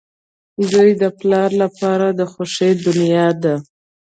• زوی د پلار لپاره د خوښۍ دنیا ده.